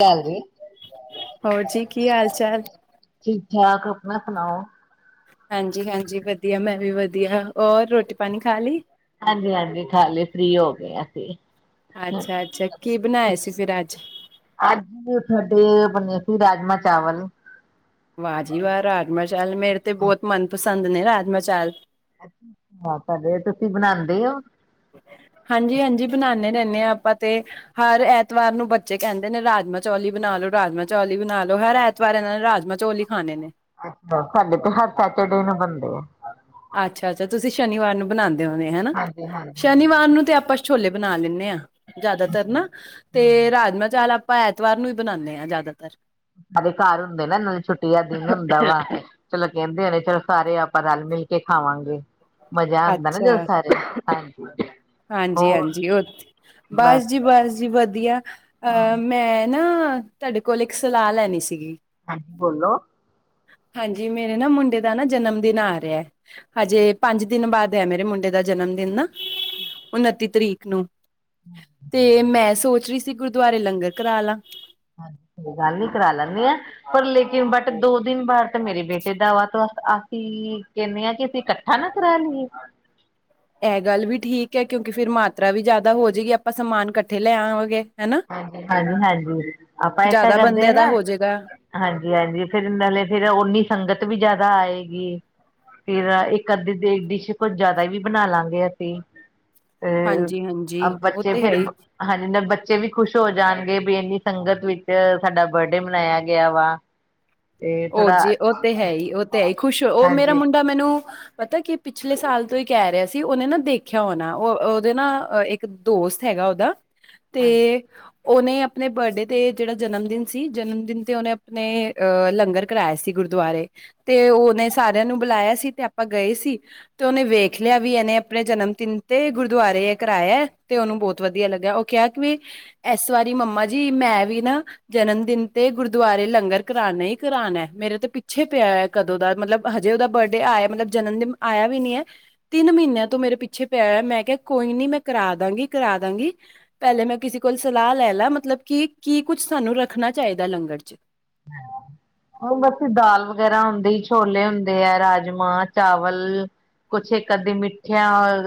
ਗੱਲ ਜੀ ਹੋਰ ਜੀ, ਕੀ ਹਾਲ-ਚਾਲ। ਠੀਕ-ਠਾਕ, ਆਪਣਾ ਸੁਣਾਓ। ਹਾਂਜੀ-ਹਾਂਜੀ, ਵਧੀਆ ਮੈਂ ਵੀ ਵਧੀਆ। ਔਰ ਰੋਟੀ ਪਾਣੀ ਖਾ ਲਈ ਹਾਂਜੀ-ਹਾਂਜੀ, ਖਾਲੀ ਫ੍ਰਰੀ ਹੋ ਗਏ ਆ ਅਸੀਂ। ਅੱਛਾ ਅੱਛਾ ਕੀ ਬਣਾਏ ਸੀ ਫਿਰ ਅੱਜ ਅੱਜ ਤੁਹਾਡੇ ਬੰਨੇ ਸੀ, ਰਾਜਮਾ ਚਾਵਲ। ਵਾਹ ਜੀ ਵਾਹ, ਰਾਜਮ ਚਾਲ ਮੇਰੇ ਤੇ ਬਹੁਤ ਮਨਪਸੰਦ ਨੇ ਰਾਜਮਾ ਚਾਲ। ਹਾਂ ਪਰ ਤੁਸੀਂ ਬਣਾਦੇ ਔ। [inaudible] ਹਾਂਜੀ -ਹਾਂਜੀ ਬਣਾਣੇ ਰਹਿੰਣੇ ਹਾਂ ਆਪਾਂ ਤੇ ਹਰ ਐਤਵਾਰ ਨੂੰ ਬੱਚੇ ਕਹਿੰਦੇ ਨੇ ਰਾਜ ਮਾਹ ਚੌਲ ਈ ਬਣਾਉ। ਰਾਜ ਮਾ ਬਣਾ ਲ ਲੋ ਰਾਜ ਮਾਂਹ ਚੌਲ ਬਣਾ ਲ ਲੋ ਹਰ ਐਤਵਾਰ ਇਹਨਾਂ ਨੇ ਰਾਜ ਮਾਂਹ ਚੌਲ ਹੀ ਖਾਣੇ ਨੇ। ਅੱਛਾ ਸਾਡੇ ਤੇ ਹਰ ਸੈਟਰਡੇ ਨੂੰ ਬਣਦੇ ਆ। ਅੱਛਾ -ਅੱਛਾ ਤੁਸੀਂ ਸ਼ਨੀਵਾਰ ਨੂੰ ਬਣਾਂਦੇ ਹੋਣੇ ਹਨਾ ਹਾਂਜੀ ਹਾਂਜੀ ਸ਼ਨੀਵਾਰ ਨੂੰ ਤੇ ਆਪਾਂ ਛੋਲੇ ਬਣਾ ਲੈਂਦੇ ਹਾਂ ਜਿਆਦਾਤਰ ਨਾ ਤੇ ਰਾਜ ਮਾਂਹ ਚਾਵਲ ਆ ਆਪਾਂ ਐਤਵਾਰ ਨੂੰ ਹੀ ਬਣਾਉਂਦੇ ਹਾਂ ਜ਼ਿਆਦਾਤਰ ਸਾਰੇ ਘਰ ਹੁੰਦੇ ਨਾ ਨਾਲੇ ਛੁੱਟੀ ਦਾ ਦਿਨ ਹੁੰਦਾ ਵਾ ਚਲੋ ਕਹਿੰਦੇ ਆ ਨੇ ਚਲੋ ਸਾਰੇ ਆਪਾਂ ਰਲ ਮਿਲ ਕੇ ਖਾਵਾਂਗੇ। ਮਜ਼ਾ ਆਉਂਦਾ ਨਾ ਜਦ ਸਾਰੇ [inaudible] ਹਾਂਜੀ- ਹੋਰ ਹਾਂਜੀ ਉਥੇ ਬਸ ਜੀ ਬਸ ਜੀ ਵਧੀਆ ਅਹ ਹਾਂਜੀ ਮੈਂ ਨਾ ਤੁਹਾਡੇ ਕੋਲ ਇੱਕ ਸਲਾਹ ਲੈਣੀ ਸੀਗੀ। ਬੋਲੋ ਹਾਂਜੀ ਮੇਰੇ ਨਾ ਮੁੰਡੇ ਦਾ ਨਾ ਜਨਮ ਦਿਨ ਆ ਰਿਹਾ ਹਜੇ ਪੰਜ ਦਿਨ ਬਾਅਦ ਹੈ ਮੇਰੇ ਮੁੰਡੇ ਦਾ ਜਨਮਦਿਨ ਨਾ ਉਨੱਤੀ ਤਰੀਕ ਨੂੰ ਤੇ ਮੈਂ ਸੋਚ ਰਹੀ ਸੀ ਗੁਰਦੁਆਰੇ ਲੰਗਰ ਕਰਾਂ ਲਾਂ। ਹਾਂਜੀ, ਕੋਈ ਗੱਲ ਨੀ ਕਰਾ ਲੈਂਦੇ ਆ ਪਰ ਲੇਕਿਨ ਬਟ ਦੋ ਦਿਨ ਬਾਅਦ ਤਾਂ ਮੇਰੇ ਬੇਟੇ ਦਾ ਵਾ ਵਾ ਅਸੀ ਕਹਿੰਦੇ ਆਂ ਕਿ ਅਸੀਂ ਇਕੱਠਾ ਨਾ ਕਰਾ ਲਈਏ। ਇਹ ਗੱਲ ਵੀ ਠੀਕ ਹੈ ਕਿਉਂਕਿ ਫਿਰ ਮਾਤਰਾ ਵੀ ਜ਼ਿਆਦਾ ਹੋ ਜਾਏਗੀ ਆਪਾਂ ਸਮਾਨ ਇਕੱਠੇ ਲੈ ਆਵਾਂਗੇ। ਹਨਾ ਹਾਂਜੀ- ਹਾਂਜੀ ਆਪਾਂ ਇਸ ਤਰਾਂ ਜ਼ਿਆਦਾ ਕਰਦੇ ਅ ਬੰਦਿਆਂ ਦਾ ਨਾ। ਹੋ ਜਾਏਗਾ ਹਾਂਜੀ- ਹਾਂਜੀ ਫਿਰ ਨਾਲੇ ਫਿਰ ਓਨੀ ਸੰਗਤ ਵੀ ਜ਼ਿਆਦਾ ਆਏਗੀ। ਫਿਰ ਇੱਕ ਅੱਧੀ ਦੀ ਡਿਸ਼ ਕੁੱਝ ਜਿਆਦਾ ਵੀ ਬਣਾ ਲਾਂਗੇ ਅਸੀਂ ਤੇ ਅ ਹਾਂਜੀ-ਹਾਂਜੀ ਉਹ ਬੱਚੇ ਤੇ ਹੈ ਫੇਰ ਹੀ ਹਾਂਜੀ ਬ ਬੱਚੇ ਵੀ ਖੁਸ਼ ਹੋ ਜਾਣਗੇ ਵੀ ਇੰਨੀ ਸੰਗਤ ਵਿੱਚ ਸਾਡਾ ਬਰਡੇ ਮਨਾਇਆ ਗਿਆ ਵਾ। ਤੇ ਉਹ ਥੋੜਾ ਜੀ ਉਹ ਤੇ ਹੈ ਹੀ ਉਹ ਤੇ ਹੈ ਹੀ ਖੁਸ਼ ਉਹ ਮੇਰਾ ਹਾਂਜੀ ਮੁੰਡਾ ਮੈਨੂੰ ਪਤਾ ਕੀ ਪਿਛਲੇ ਸਾਲ ਤੋਂ ਹੀ ਕਹਿ ਰਿਹਾ ਸੀ। ਤੇ ਉਹਨੇ ਨਾ ਦੇਖਿਆ ਹੋ ਨਾ ਉਹ ਉਹਦੇ ਨਾ ਇੱਕ ਦੋਸਤ ਹੈਗਾ ਉਹਦਾ ਤੇ ਉਹਨੇ ਆਪਣੇ ਬਰਡੇ ਤੇ ਜਿਹੜਾ ਜਨਮ ਦਿਨ ਸੀ ਜਨਮ ਦਿਨ ਤੇ ਉਹਨੇ ਆਪਣੇ ਅਹ ਲੰਗਰ ਕਰਾਇਆ ਸੀ ਗੁਰਦੁਆਰੇ ਤੇ ਉਹਨੇ ਸਾਰਿਆਂ ਨੂੰ ਬੁਲਾਇਆ ਸੀ ਤੇ ਆਪਾਂ ਗਏ ਸੀ ਤੇ ਉਹਨੇ ਵੇਖ ਲਿਆ ਵੀ ਇਹਨੇ ਆਪਣੇ ਜਨਮ ਤਿਨ ਤੇ ਗੁਰਦੁਆਰੇ ਕਰਵਾਇਆ ਤੇ ਉਹਨੂੰ ਬਹੁਤ ਵਧੀਆ ਲੱਗਿਆ ਉਹ ਕਿਹਾ ਕਿ ਵੀ ਏਸ ਵਾਰੀ ਮੰਮਾ ਜੀ ਮੈਂ ਵੀ ਨਾ ਜਨਮ ਦਿਨ ਤੇ ਗੁਰਦੁਆਰੇ ਲੰਗਰ ਕਰਾਣਾ ਈ ਕਰਾਨਾ ਹੈ ਮੇਰੇ ਤੇ ਪਿੱਛੇ ਪਿਆ ਕਦੋਂ ਦਾ ਮਤਲਬ ਹਜੇ ਉਹਦਾ ਬਰਡੇ ਆਇਆ ਮਤਲਬ ਜਨਮ ਦਿਨ ਆਇਆ ਵੀ ਨੀ ਐ। ਤਿੰਨ ਮਹੀਨਿਆਂ ਤੋਂ ਮੇਰੇ ਪਿੱਛੇ ਪਿਆ ਮੈਂ ਕਿਹਾ ਕੋਈ ਨੀ ਮੈਂ ਕਰਾ ਦਾਂਗੀ ਕਰਾ ਦਾਂਗੀ ਪਹਿਲੇ ਮੈਂ ਕਿਸੇ ਕੋਲ ਸਲਾਹ ਲੈ ਲਾ ਮਤਲਬ ਕਿ ਕੀ ਕੁੱਝ ਸਾਨੂੰ ਰੱਖਣਾ ਚਾਹੀਦਾ ਲੰਗਰ 'ਚ ਉਹ ਬਸ ਦਾਲ ਵਗੈਰਾ ਹੁੰਦੀ ਛੋਲੇ ਹੁੰਦੇ ਆ ਰਾਜਮਾਂਹ ਚਾਵਲ ਕੁਛ ਇੱਕ ਅੱਧੀ ਮਿੱਠਿਆਂ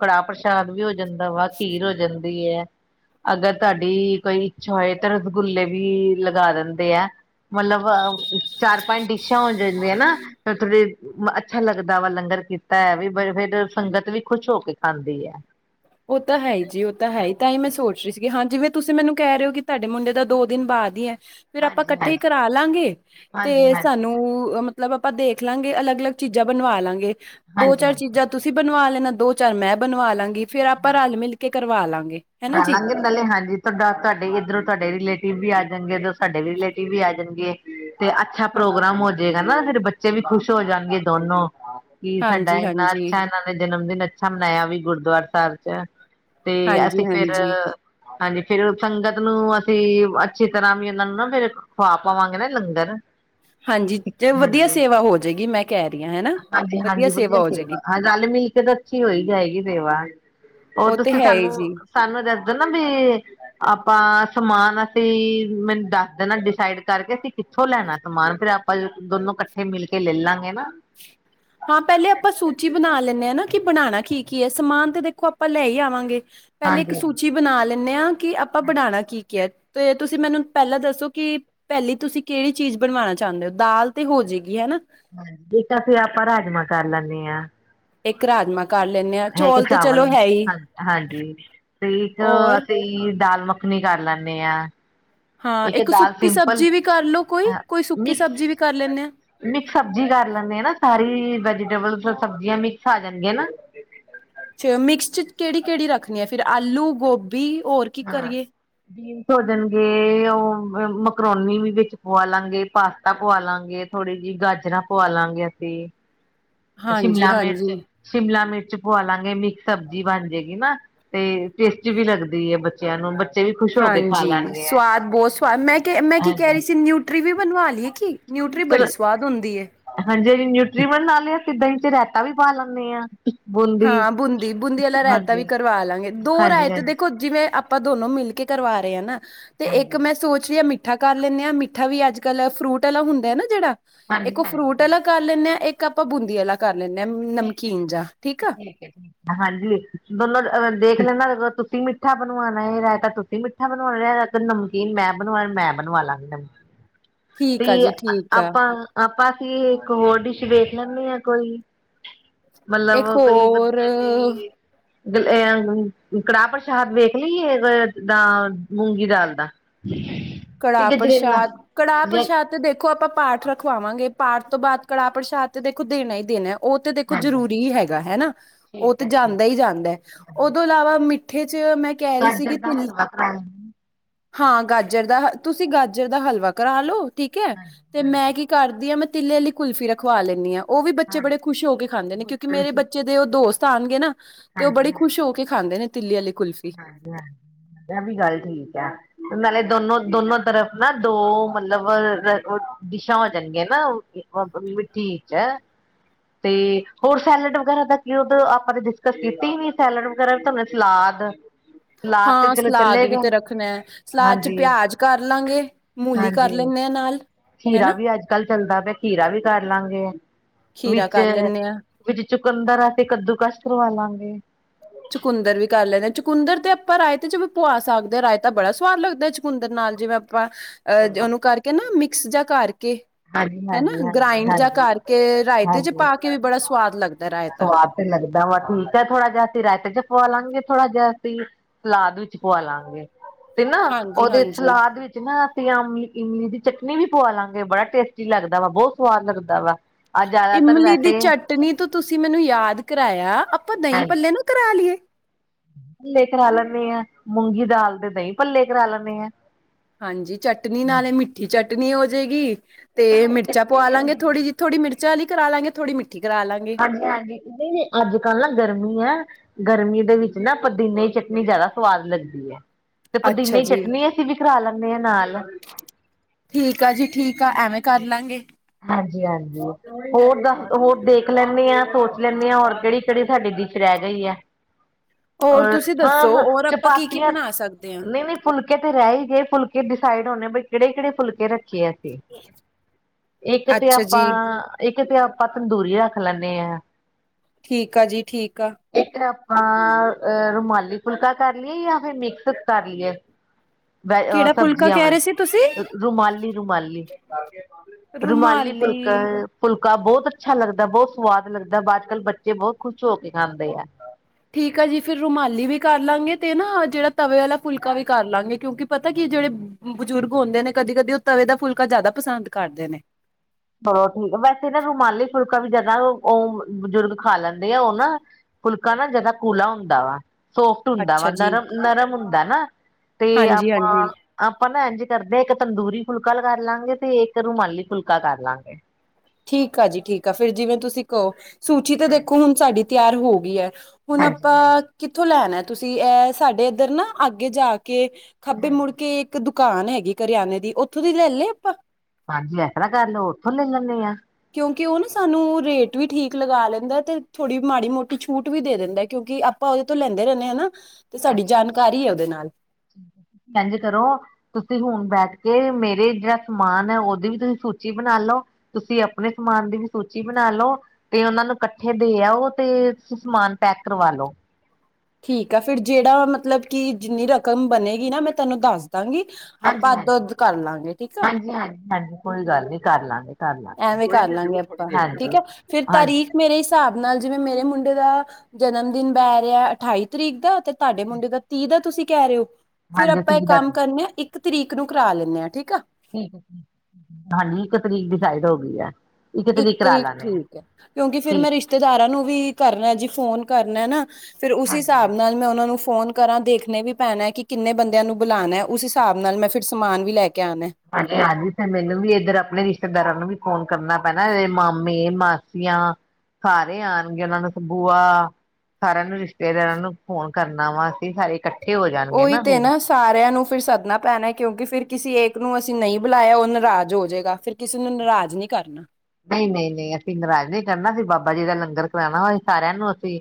ਕੜਾਹ ਪ੍ਰਸ਼ਾਦ ਵੀ ਹੋ ਜਾਂਦਾ ਵਾ ਖੀਰ ਹੋ ਜਾਂਦੀ ਦੀ ਐ ਅਗਰ ਤੁਹਾਡੀ ਕੋਈ ਇੱਛਾ ਹੋਏ ਤਾਂ ਰਸਗੁੱਲੇ ਵੀ ਲਗਾ ਦਿੰ ਮਤਲਬ ਅਹ ਚਾਰ ਪੰਜ ਡਿਸ਼ਾਂ ਹੋ ਜਾਂਦੀਆਂ ਥੋੜਾ ਅੱਛਾ ਲੱਗਦਾ ਦਾ ਵ ਲੰਗਰ ਕੀਤਾ ਹੈ ਵੀ ਬ ਫੇਰ ਸੰਗਤ ਵੀ ਖੁਸ਼ ਹੋ ਕੇ ਖਾਂਦੀ ਹੈ। ਉਹ ਤਾਂ ਹੈ ਜੀ ਉਹ ਤਾਂ ਹੈ ਤਾਂ ਹੀ ਮੈਂ ਸੋਚ ਸੀ ਹਾਂਜੀ ਤੁਸੀਂ ਮੈਨੂੰ ਕਹਿ ਰਹੇ ਹੋ ਕਿ ਤੁਹਾਡੇ ਮੁੰਡੇ ਦਾ ਦੋ ਦਿਨ ਬਾਅਦ ਹੀ ਹੈ। ਫੇਰ ਆਪਾਂ ਇਕੱਠੇ ਕਰਾ ਲਾਂਗੇ ਤੇ ਸਾਨੂੰ ਮ ਮਤਲਬ ਆਪਾਂ ਦੇਖ ਲਾਂਗੇ ਅਲੱਗ ਅਲੱਗ ਚੀਜ਼ਾਂ ਬਣਵਾ ਲਾਂਗੇ ਦੋ ਚਾਰ ਚੀਜ਼ਾਂ ਤੁਸੀਂ ਬਣਵਾ ਲੈਣਾ। ਦੋ ਚਾਰ ਮੈਂ ਬਣਵਾ ਲਾਂਗੀ ਫੇਰ ਆਪਾਂ ਰਲ ਮਿਲ ਕੇ ਕਰਵਾ ਲ ਰਹਿ ਲਾਂਗੇ ਹਾਂਜੀ ਤੁਹਾਡਾ ਤੁਹਾਡੇ ਇੱਧਰੋਂ ਤੁਹਾਡੇ ਰਿਲੇਟਿਵ ਵੀ ਆ ਜਾਣਗੇ ਉਦੋਂ ਸਾਡੇ ਵੀ ਰਿਲੇਟਿਵ ਵੀ ਆ ਜਾਣਗੇ। ਤੇ ਅੱਛਾ ਹਾਂ ਪ੍ਰੋਗਰਾਮ ਹੋ ਜਾਏਗਾ ਨਾ ਫਿਰ ਬੱਚੇ ਵੀ ਖੁਸ਼ ਹੋ ਜਾਣਗੇ ਦੋਨੋ ਕੀ ਸਾਡਾ ਹਾਂਜੀ ਇੰਨਾ ਹਾਂਜੀ ਅੱਛਾ ਇਹਨਾਂ ਨੇ ਜਨਮ ਦਿਨ ਅੱਛਾ ਮਨਾਇਆ ਵੀ ਗੁਰਦੁਆਰਾ ਸਾਹਿਬ 'ਚ ਤੇ ਹਾਂਜੀ ਅਸੀ ਫਿਰ ਹਾਂਜੀ ਹਾਂਜੀ ਫਿਰ ਸੰਗਤ ਨੂੰ ਅਸੀਂ ਅੱਛੀ ਤਰ੍ਹਾਂ ਵੀ ਉਹਨਾਂ ਨੂੰ ਨਾ ਫੇਰ ਖਵਾ ਪਾਵਾਂਗੇ ਨਾ ਲੰਗਰ ਹਾਂਜੀ ਤੇ ਵਧੀਆ ਸੇਵਾ ਹੋ ਜਾਏਗੀ ਮੈਂ ਕਹਿ ਰਹੀ ਹਾਂ ਹਨਾ ਹਾਂਜੀ-ਹਾਂਜੀ ਵਧੀਆ ਸੇਵਾ ਹਾਂ ਰੱਲ ਮਿਲ ਕੇ ਤਾਂ ਅੱਛੀ ਹੋਈ ਜਾਏਗੀ ਸੇਵਾ, ਹੋਰ ਉਹ ਤੇ ਤੁਸੀਂ ਹੈ ਹੀ ਜੀ ਸਾਨੂੰ-ਸਾਨੂੰ ਦੱ ਵੀ ਆਪਾਂ ਸਮਾਨ ਅਸੀਂ ਮੈਨੂੰ ਦੱਸ ਦੇ ਨਾ ਡਿਸਾਈਡ ਕਰਕੇ ਅਸੀਂ ਕਿੱਥੋਂ ਲੈਣਾ ਸਮਾਨ ਫੇਰ ਆਪਾਂ ਦੋਨੋ ਇਕੱਠੇ ਮਿਲ ਕੇ ਲੈਲਾਂਗੇ ਨਾ, ਹਾਂ ਪਹਿਲੇ ਆਪਾਂ ਸੂਚੀ ਬਣਾ ਲੈਂਦੇ ਹਾਂ ਨਾ ਕਿ ਬਣਾਣਾ ਕੀ-ਕੀ ਹੈ ਸਮਾਨ ਤੇ ਦੇਖੋ ਆਪਾਂ ਲੈ ਹੀ ਆਵਾਂਗੇ। ਪਹਿਲੇ ਇੱਕ ਸੂਚੀ ਬਣਾ ਲੈਂਨੇ ਹਾਂ ਕਿ ਆਪਾਂ ਬਣਾਣਾ ਕੀ-ਕੀ ਹੈ, ਤੇ ਤੁਸੀਂ ਮੈਨੂੰ ਪਹਿਲਾਂ ਦੱਸੋ? ਕਿ ਪਹਿਲੀ ਤੁਸੀਂ ਕਿਹੜੀ ਚੀਜ਼ ਬਣਵਾਣਾ ਚਾਹੁੰਦੇ ਹੋ ਦਾਲ ਤੇ ਹੋਜਏਗੀ ਹੈ ਨਾ, ਹਾਂਜੀ, ਇਕ ਤਾਂ ਆਪਾਂ ਰਾਜਮਾਂ ਕਰ ਲੈਂਨੇ ਹਾਂ। ਇੱਕ ਰਾਜਮਾ, ਹੈ ਇੱਕ ਚਾਵਲ ਹ ਹਾਂਜੀ ਤੇ ਇੱਕ ਔਰ ਅਸੀਂ, ਦਾਲ ਮੱਖਣੀ ਕਰ ਲੈਂਨੇ ਹਾਂ, ਹਾਂ ਇੱਕ ਦਾਲ ਸੁੱਕੀ ਸਿੰਪਲ ਸਬਜ਼ੀ ਵੀ ਕਰ ਲੋ ਕੋਈ-ਕੋਈ ਸੁੱਕੀ ਸਬਜ਼ੀ ਮਿਕਸ ਵੀ ਕਰ ਲੈਂਨੇ ਆ। ਮਿਕਸ ਸਬਜ਼ੀ ਕਰ ਲੈਂਦੇ ਆ ਨਾ ਸਾਰੀ ਵੈਜੀਟੇਬਲ ਸਬਜ਼ੀਆਂ ਮਿਕਸ ਆ ਜਾਣਗੀਆਂ ਨਾ, ਫੇਰ ਮਿਕਸ ਚ ਕਿਹੜੀ-ਕਿਹੜੀ ਰੱਖਣੀ ਹੈ ਫਿਰ ਆਲੂ ਗੋਭੀ ਹੋਰ ਕੀ ਕਰੀਏ। ਖੋਜਣਗੇ ਉਹ ਮਕਰੋਨੀ ਵੀ ਵਿੱਚ ਪੁਆ ਲਾਂਗੇ ਪਾਸਤਾ ਪੁਆ ਲਾਂਗੇ ਥੋੜੀ ਜੀ, ਗਾਜਰਾਂ ਪਵਾ ਲਾਂਗੇ ਅਸੀਂ, ਹਾਂਜੀ ਸ਼ਿਮਲਾ ਹਾਂਜੀ ਮਿਰਚ ਸ਼ਿਮਲਾ ਮਿਰਚ ਪੁਆ ਲਾਂਗੇ ਮਿਕਸ ਸਬਜ਼ੀ ਬਣ ਜਾਏਗੀ ਨਾ। ਤੇ ਟੇਸਟੀ ਵੀ ਲੱਗਦੀ ਹੈ ਬੱਚਿਆਂ ਨੂੰ ਬੱਚ ਹਾਂਜੀ ਸਵਾਦ ਬਹੁਤ ਸਵਾਦ ਮੈਂ-ਮੈਂ ਕੀ ਕਹਿ ਹਾਂਜੀ ਰਹੀ ਸੀ, ਨਿਊਟਰੀ ਵੀ ਬਣਵਾ ਲਈਏ ਕਿ ਨਿ ਰੂਟਰੀ ਬੜੀ ਸਵਾਦ ਹੁੰਦੀ ਐ। ਨਿਊਟਰੀ ਬਣਾ ਲਿਆ ਤੇ ਦਹੀ ਚ ਰਾਇਤਾ ਵੀ ਪਾ ਲੈਂਦੇ ਆਂ। ਹਾਂ ਬੂੰਦੀ-ਬੂੰਦੀ ਵਾਲਾ ਰਾਈਤਾ ਵੀ ਹਾਂਜੀ ਕਰਵਾ ਲਾਂਗੇ ਦੋ ਹਾਂਜੀ ਰਾਏਤੇ ਹਾਂਜੀ ਦੇਖੋ ਜਿਵੇਂ ਆਪ ਆਪਾਂ ਦੋਨੋ ਮਿਲ ਕੇ ਕਰਵਾ ਰਹੇ ਹਾਂ ਨਾ ਤੇ ਇੱਕ ਮੈਂ ਸੋਚ ਰਹੀ ਹਾਂ ਮਿੱ ਮਿੱਠਾ ਕਰ ਲੈਂਦੇ ਹਾਂ ਮਿੱਠਾ ਵੀ ਅੱਜ-ਕੱਲ ਫਰੂਟ ਵਾਲਾ ਹੁੰਦਾ ਹੈ ਨਾ ਜਿਹੜਾ ਇੱਕ ਉਹ ਫਰੂਟ ਵਾਲਾ ਕਰ ਲੈਂਦੇ ਆਂ ਇੱਕ, ਇੱਕ ਆਪਾਂ ਬੂੰਦੀ ਆਲਾ ਕਰ ਲੈਂਦੇ ਹਾਂ ਨਮਕੀਨ ਜਾ, ਠੀਕ ਆ। ਹਾਂਜੀ ਦੋਨੋਂ ਦੇਖ, ਤੁਸੀਂ ਮਿੱਠਾ ਬਣਵਾਣਾ ਰਾਈਤਾ ਤੁਸੀਂ ਮਿੱਠਾ ਬਣਾਵਾਣਾ ਤੇ ਨਮਕੀਨ ਮੈ ਬਣਣਾ ਮੈਂ ਬਣਵਾ, ਲੱਗਦਾ ਠੀਕ ਆ ਤੇ ਜੀ ਠੀਕ ਆ ਆਪਾਂ ਆਪਾਂ, ਅਸੀ ਇੱਕ ਹੋਰ ਡਿਸ਼ ਵੇਖ ਲੈਂਨੇ ਆ ਕੋਈ ਮਤਲਬ ਇੱਕ ਕੋਈ ਵਧੀਆ ਹੋਰ ਜਿਹੀ, ਕੜਾਹ ਪ੍ਰਸ਼ਾਦ ਵੇਖ ਲਈਏਦਾ ਮੂੰਗੀ ਦਾਲ ਦਾ, ਕੜਾਹ ਪ੍ਰਸ਼ਾਦ ਕੜਾਹ ਪ੍ਰਸ਼ਾਦ ਤੇ ਦੇਖੋ ਆਪਾਂ ਪਾਠ ਰਖਵਾਵਾਂਗੇ ਪਾਠ ਤੋਂ ਬਾਅਦ, ਕੜਾਹ ਪ੍ਰਸ਼ਾਦ ਤੇ ਦੇਖੋ ਦੇਣਾ ਹੀ ਦੇਣਾ। ਉਹ ਤੇ ਦੇਖੋ ਜ਼ਰੂਰੀ ਹੈਗਾ ਹੈ। ਨਾ ਉਹ ਤੇ ਜਾਂਦਾ ਹੀ ਜਾਂਦਾ ਹੈ ਉਹ ਤੋਂ ਇਲਾਵਾ ਮਿੱ ਚ ਮੈਂ ਕਹਿ ਰਹੀ ਸੀਗੀ। ਹਾਂ ਗਾਜਰ ਦਾ ਤੁਸੀਂ ਗਾਜਰ ਦਾ ਹਲਵਾ ਕਰਾ ਲਓ ਠੀਕ ਹੈ ਤੇ ਮੈਂ ਕੀ ਕਰਦੀ ਹਾਂ ਮ ਤਿੱਲੇ ਵਾਲੀ ਕੁਲਫੀ ਰਖਵਾ ਲੈਂਨੀ ਆਂ। ਉਹ ਵੀ ਬੱਚੇ ਬੜੇ ਖੁਸ਼ ਹੋ ਕੇ ਖਾਂਦੇ ਨੇ ਕਿਉਂਕਿ ਮੇਰੇ ਬੱਚੇ ਦੇ ਉਹ ਦੋਸਤ ਆਣਗੇ ਨਾ ਤੇ ਉਹ ਬੜੀ ਖੁਸ਼ ਹੋ ਕੇ ਖਾਂਦੇ ਨੇ, ਤਿੱਲੀ ਵਾਲੀ ਕੁਲਫ਼ੀ ਹਾਂਜੀ ਇਹ ਵੀ ਗੱਲ ਠੀਕ ਆ, ਨਾਲੇ ਦੋਨੋ-ਦੋਨੋ ਤਰਫ ਨਾ ਦੋ ਮਤਲਬ ਡਿਸ਼ਾਂ ਹੋ ਜਾਣਗੀਆਂ ਨਾ। ਮਿੱਠੀ ਚ, ਤੇ ਹੋਰ ਸੈਲਡ ਵਗੈਰਾ ਦਾ ਕੀ ਉਦ ਆਪਾਂ ਨੇ ਡਿਸਕਸ ਕੀਤੀ ਨੀ ਸੈਲਡ ਵਗੈਰਾ ਸਲਾਦ, ਦਾ, ਹਾਂ ਸਲਾਦ ਵੀ ਤੇ ਰੱਖਣਾ ਹੈ, ਸਲਾਦ ਚ ਹਾਂਜੀ ਪਿਆਜ ਕਰ ਲਾਂਗੇ ਮੂਲੀ ਕਰ ਹਾਂਜੀ ਲੈਂਨੇ ਹਾਂ ਨਾਲ ਖੀਰਾ ਹਨਾ ਵੀ ਅੱਜ-ਕੱਲ ਚੱਲਦਾ ਪਿਆ ਖੀਰਾ ਵੀ ਕਰ ਲਾਂਗੇ। ਖੀਰਾ ਕਰ ਲੈਂਦੇ ਹਾਂ ਵਿੱਚ-ਵਿੱਚ ਚੁਕੰਦਰ ਤੇ ਕੱਦੂ ਕਸ਼ ਕਰਵਾ ਲਾਂਗੇ। ਚਕੁੰਦਰ ਵੀ ਕਰ ਲੈਂਦੇ ਹਾਂ ਚਕੁੰਦਰ ਤੇ ਆਪਾਂ ਰਾਈਤੇ ਚ ਵੀ ਪੁਆ ਸਕਦੇ ਹਾਂ ਰਾਈਤੇ ਬੜਾ ਸੁਵਾਦ ਲੱਗਦਾ ਚਕੁੰਦਰ ਨਾਲ ਜਿਵੇਂ, ਆਪਾਂ ਅਹ ਉਹਨੂੰ ਕਰਕੇ ਨਾ ਮਿਕਸ ਜਾਂ ਕਰਕੇ, ਹਾਂਜੀ ਹੈ ਨਾ ਹਾਂਜੀ ਹਾਂਜੀ ਗ੍ਰਾਇੰਡ ਜਾ ਹਾਂਜੀ ਕਰਕੇ ਰਾਇਤੇ ਚ ਹਾਂਜੀ ਪਾ ਕੇ ਵੀ ਬੜਾ ਸਵਾਦ ਲੱਗਦਾ ਰਾਇਤਾ, ਦਵਾਂ ਠੀਕ ਹੈ, ਥੋੜ੍ਹਾ ਜਿਹਾ ਅਸੀਂ ਰਾਇਤੇ ਚ ਪੁਆ ਲਾਂਗੇ ਥੋੜਾ ਜਿਹਾ ਅਸੀਂ ਸਲਾਦ ਵਿੱਚ ਪੁਆ ਲਾਂਗੇ। ਤੇ ਨਾ ਹਾਂਜੀ ਉਹਦੇ ਹਾਂਜੀ ਸਲਾਦ ਵਿੱਚ ਨਾ ਅਸੀਂ ਆਮ ਇਮਲੀ ਦੀ ਚਟਨੀ ਵੀ ਪਵਾਲਾਂਗੇ ਬੜਾ ਟੇਸਟੀ ਲੱਗਦਾ ਵਾ, ਬਹੁਤ ਸਵਾਦ ਲੱਗਦਾ ਵਾ। ਅੱਜ ਜ਼ਿਆਦਾਤਰ ਇਮਲੀ ਦੀ ਵੈਸੇ ਚਟਨੀ ਤੋਂ ਤੁਸੀਂ ਮੈਨੂੰ ਯਾਦ ਕਰਾਇਆ, ਆਪਾਂ ਦਹੀਂ ਭੱਲੇ ਨੂੰ ਕਰਾ ਆਲੀਏ। ਭੱਲੇ ਕਰਾ ਲੈਂਨੇ ਆਂ, ਮੂੰਗੀ ਦਾਲ ਦੇ ਦਹੀਂ ਭੱਲੇ ਕਰਾ ਲੈਂਨੇ ਆਂ। ਹਾਂਜੀ, ਚਟਨੀ ਨਾਲੇ ਮਿੱਠੀ ਚਟਨੀ ਹੋਜੇਗੀ। ਤੇ ਮਿਰਚਾਂ ਪਵਾਲਾਂਗੇ ਥੋੜੀ ਜਿ, ਥੋੜੀ ਮਿਰਚ ਵਾਲੀ ਕਰਾਲਾਂਗੇ ਥੋੜੀ ਮਿਰਚ ਹਾਂਜੀ- ਹਾਂਜੀ, ਨਹੀਂ- ਨਹੀਂ ਅੱਜ ਕੱਲ੍ਹ ਨਾ ਗਰਮੀ ਐ ਗਰਮੀ ਦੇ ਵਿੱਚ ਨਾ ਪੁਦੀਨੇ ਦੀ ਚਟਨੀ ਜ਼ਿਆਦਾ ਸਵਾਦ ਲੱਗਦੀ ਐ। ਤੇ ਅੱਛਾ ਪੁਦੀਨੇ ਜੀ ਚਟਨੀ ਅਸੀਂ ਵੀ ਕਰਾ ਲੈਂਨੇ ਹਾਂ ਨਾਲ। ਕਰਲਾਂਗੇ। ਹਾਂਜੀ- ਹਾਂਜੀ ਹੋਰ ਦੱਸ ਹੋਰ ਦੇਖ ਲੈਂਦੇ ਹਾਂ, ਸੋਚ ਲੈਂਦੇ ਹਾਂ ਹੋਰ ਕਿਹੜੀ -ਕਿਹੜੀ ਸਾਡੇ ਦੀ ਡਿਸ਼ ਰਹਿ ਇਹੀ ਹੈ, ਹੋਰ ਤੁਸੀਂ ਹਾਂ- ਦੱਸੋ ਹਾਂ ਹੋਰ ਆਪਾਂ ਕੀ ਕੀ ਚਪਾਤੀਆਂ ਬਣਾ ਸਕਦੇ ਹਾਂ। ਨਹੀਂ -ਨਹੀਂ ਫੁਲਕੇ ਤੇ ਰਹਿ ਹੀ ਗਏ ਫੁਲਕੇ ਡਿਸਾਈਡ ਹੋਣੇ ਬ ਕਿਹੜੇ- ਕਿਹੜੇ ਫੁਲਕੇ ਰੱਖੇ ਆ ਅਸੀਂ ਇੱਕ ਤੇ ਅੱਛਾ ਆਪਾਂ ਜੀ ਇੱਕ ਕਿਤੇ ਆਪਾਂ ਤੰਦੂਰੀ ਰੱਖ ਲੈਂਨੇ ਆਂ। ਠੀਕ ਆ ਜੀ ਠੀਕ। ਆ। ਇੱਕ ਅ ਰੁਮਾਲੀ ਫੁਲਕਾ ਕਰ ਲਈਏ, ਜਾਂ ਫਿਰ ਮਿਕਸ ਕਰ ਲਈਏ। ਵ ਕਿਹੜਾ ਫੁਲਕਾ ਸਬਜ਼ੀਆਂ ਕਹਿ ਵੱਲ ਰਹੇ ਸੀ ਤੁਸੀਂ? ਰੁਮਾਲੀ ਰੁਮਾਲੀ ਰੁਮਾਲੀ ਫੁਲਕਾ ਫੁਲ ਸੁਕਾ ਬਹੁਤ ਅੱਛਾ ਲੱਗਦਾ ਬਹੁਤ ਸਵਾਦ ਲੱਗਦਾ, ਅੱਜ -ਕੱਲ੍ਹ ਬੱਚੇ ਬਹੁਤ ਖੁਸ਼ ਹੋ ਕੇ ਖਾਂਦੇ ਆ। ਠੀਕ ਆ ਜੀ, ਫਿਰ ਰੁਮਾਲੀ ਵੀ ਕਰਲਾਂਗੇ ਤੇ ਨਾ ਜਿਹੜਾ ਤਵੇ ਵਾਲਾ ਫੁਲਕਾ ਵੀ ਕਰਲਾਂਗੇ ਕਿਉਂਕਿ ਪਤਾ ਕੀ ਉਹ ਜਿਹੜੇ ਬਜ਼ੁਰਗ ਹੁੰਦੇ ਨੇ, ਕਦੀ- ਕਦੀ ਉਹ ਤਵੇ ਦਾ ਫੁਲਕਾ ਜ਼ਿਆਦਾ ਪਸੰਦ ਕਰਦੇ ਨੇ। ਚਲੋ ਠੀਕ ਹੈ। ਵੈਸੇ ਨਾ ਰੁਮਾਲੀ ਫੁਲਕਾ ਵੀ ਜਿਆਦਾ ਉਹ ਬਜ਼ੁਰਗ ਖਾ ਲੈਂਦੇ, ਆ ਉਹ ਨਾ ਫੁਲਕਾ ਨਾ ਜਿਆਦਾ ਕੂਲਾ ਹੁੰਦਾ ਵਾ। ਸੋਫਟ ਹੁੰਦਾ ਵਾ ਅੱਛਾ ਜੀ। ਨਰਮ- ਨਰਮ ਹੁੰਦਾ ਨਾ। ਤੇ ਹਾਂਜੀ ਹਾਂਜੀ ਆਪਾਂ-ਆਪਾਂ ਨਾ ਇੰਝ ਕਰਦੇ ਹਾਂ ਇੱਕ ਤੰਦੂਰੀ ਫੁਲਕਾ ਲ ਕਰਲਾਂਗੇ ਤੇ ਇੱਕ ਰੁਮਾਲੀ ਫੁਲਕਾ ਕਰ ਲਾਂਗੇ। ਠੀਕ ਆ ਜੀ ਠੀਕ ਆ, ਫਿਰ ਜਿਵੇਂ ਤੁਸੀਂ ਕਹੋ ਸੂਚੀ ਤਾਂ ਦੇਖੋ ਹੁਣ ਸਾਡੀ ਤਿਆਰ ਹੋ ਗਈ ਹੈ। ਹੁਣ ਆਪਾਂ ਕਿੱਥੋਂ ਲੈਣਾ, ਤੁਸੀਂ ਇਹ ਸਾਡੇ ਇੱਧਰ ਨਾ ਅੱਗੇ ਜਾ ਕੇ ਕੇ ਖੱਬੇ ਮੁੜ ਕੇ ਇੱਕ ਦੁਕਾਨ ਹੈਗੀ ਕਰਿਆਨੇ ਦੀ ਉੱਥੋਂ ਦੀ ਲੈ ਲਏ ਆਪਾਂ। ਹਾਂਜੀ ਐਸ ਤਰ੍ਹਾਂ ਕਰ ਲਓ, ਉੱਥੋਂ ਲੈ ਲੈਂਦੇ ਆਂ। ਕਿਉਂਕਿ ਉਹ ਨਾ ਸਾਨੂੰ ਰੇਟ ਵੀ ਠੀਕ ਲਗਾ ਲੈਂਦਾ, ਤੇ ਥੋੜ੍ਹੀ ਮਾੜੀ ਮੋਟੀ ਛੂਟ ਵੀ ਦੇ ਦਿੰਦਾ ਕਿਉਂਕਿ ਆਪਾਂ ਉਹਦੇ ਤੋਂ ਲੈਂਦੇ ਰਹਿੰਦੇ ਆ ਹਨਾ। ਇੰਝ ਕਰੋ ਤੇ ਹੁਣ ਬੈਠ ਕੇ ਮੇਰੇ ਜਿਹੜਾ ਸਮਾਨ ਹੈ ਉਹਦੀ ਵੀ ਤੁਸੀਂ ਸੂਚੀ ਬਣਾ ਲਓ, ਤੁਸੀਂ ਆਪਣੇ ਸਮਾਨ ਦੀ ਸੂਚੀ ਬਣਾ ਲੋ, ਤੇ ਉਹਨਾਂ ਨੂੰ ਇਕੱਠੇ ਦੇ ਆਓ ਤੇ ਸਮਾਨ ਪੈਕ ਕਰਵਾ ਲੋ। ਠੀਕ ਐ ਫਿਰ ਜਿਹੜਾ ਮਤਲਬ ਕਿ ਜਿੰਨੀ ਰਕਮ ਬਣੇਗੀ ਨਾ ਮੈਂ ਤੁਹਾਨੂੰ ਦੱਸ ਦਾਂਗੀ ਆਪਾਂ ਅੱਧੋ ਅੱਧ ਕਰਲਾਂਗੇ ਠੀਕ ਆ। ਹਾਂਜੀ ਕੋਈ ਗੱਲ ਨੀ ਕਰ ਲਾਂਗੇ ਕਰ ਲਾਂਗੇ ਐਵੇਂ ਕਰ ਲਾਂਗੇ ਆਪਾਂ ਠੀਕ ਹਾਂਜੀ ਹੈ ਫਿਰ ਹਾਂਜੀ ਤਾਰੀਖ ਮੇਰੇ ਹਿਸਾਬ ਨਾਲ ਜਿਵੇਂ ਮੇਰੇ ਮੁੰਡੇ ਮੁੰਡੇ ਦਾ ਜਨਮ ਦਿਨ ਬਹਿ ਰਿਹਾ ਅਠਾਈ ਤਰੀਕ ਦਾ ਤੇ ਤੁਹਾਡੇ ਮੁੰਡੇ ਦਾ ਤੀਹ ਦਾ ਤੁਸੀਂ ਕਹਿ ਰਹੇ ਹੋ। ਫੇਰ ਹਾਂਜੀ ਆਪਾਂ ਇਹ ਤੀਹ ਦਾ ਕੰਮ ਕਰਨੇ ਹਾਂ, ਇੱਕ ਤਰੀਕ ਨੂੰ ਕਰਾ ਲੈਂਨੇ ਆਂ ਠੀਕ ਆ। ਠੀਕ ਹਾਂਜੀ, ਇੱਕ ਤਰੀਕ ਡਿਸਾਈਡ ਹੋ ਗਈ ਆ। ਇੱਕ ਤਰੀਕ ਠੀਕ ਐ, ਕਿਉਂਕਿ ਫਿਰ ਮੈਂ ਠੀਕ ਰਿਸ਼ਤੇਦਾਰਾਂ ਨੂੰ ਵੀ ਕਰਨਾ ਜੀ ਫੋਨ ਕਰਨਾ ਨਾ। ਫੇਰ ਉਸ ਹਿਸਾਬ ਨਾਲ ਮੈਂ ਉਹਨਾ ਨੂੰ ਫ਼ੋਨ ਕਰਾਂ ਦੇਖਣੇ ਵੀ ਪੈਣਾ ਕਿੰਨੇ ਬੰਦਿਆਂ ਨੂੰ ਬੁਲਾਣਾ, ਉਸ ਹਿਸਾਬ ਨਾਲ ਮੈਂ ਫਿਰ ਸਮਾਨ ਵੀ ਲੈ ਕੇ ਆਉਣਾ ਹਾਂਜੀ-ਹਾਂਜੀ ਫੇਰ ਮੈਨੂੰ ਵੀ ਇੱਧਰ ਆਪਣੇ ਰਿਸ਼ਤੇਦਾਰਾਂ ਨੂੰ ਵੀ ਫੋਨ ਕਰਨਾ ਪੈਣਾ, ਇਹਦੇ ਮਾਮੇ ਮਾਸੀਆਂ ਸਾਰੇ ਆਣਗੇ ਉਹਨਾਂ ਨੂੰ ਬੂਆ ਸਾਰਿਆਂ ਨੂੰ ਰਿਸ਼ਤਾ ਰਿਸ਼ਤੇਦਾਰਾਂ ਨੂੰ ਫੋਨ ਕਰਨਾ ਵਾ ਅਸੀਂ ਸਾਰੇ ਇਕੱਠੇ ਹੋ ਜਾਣਗੇ ਉਹੀ ਤੇ ਫਿਰ ਨਾ। ਸਾਰਿਆਂ ਨੂੰ ਫਿਰ ਸੱਦਣਾ ਪੈਣਾ, ਕਿਉਂਕਿ ਫਿਰ ਕਿਸੇ ਇਕ ਨੂੰ ਅਸੀ ਨਈ ਬੁਲਾਇਆ ਓ ਨਰਾਜ਼ ਹੋ ਜੇਗਾ। ਫਿਰ ਕਿਸੀ ਨੂੰ ਨਰਾਜ਼ ਨੀ ਕਰਨਾ। ਨਈ ਨਈ ਨੀ ਅਸੀ ਨਰਾਜ ਨਹੀਂ ਕਰਨਾ। ਅਸੀ ਬਾਬਾ ਜੀ ਦਾ ਲੰਗਰ ਕਰਾਣਾ ਏ ਸਾਰੇ ਆਂ ਨੂੰ ਅਸੀ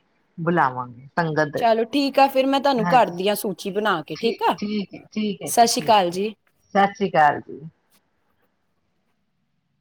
ਬੁਲਾਵਾਂਗੇ। ਸੰਗਤ, ਚਲੋ ਠੀਕ ਆ ਫਿਰ ਮੈਂ ਤੁਹਾਨੂੰ ਹਾਂਜੀ ਕਰਦੀ ਆ ਸੂਚੀ ਬਣਾ ਕੇ ਠੀਕ ਆ ਠੀ-ਠੀਕ ਏ, ਠੀਕ ਏ ਜੀ, ਸਤਿ ਸ੍ਰੀ ਅਕਾਲ ਠੀਕ ਜੀ ਸਤਿ ਸ੍ਰੀ ਅਕਾਲ ਜੀ।